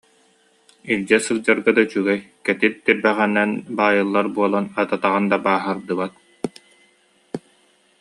Илдьэ сылдьарга да үчүгэй, кэтит тирбэҕэнэн баайыллар буо- лан ат атаҕын да бааһырдыбат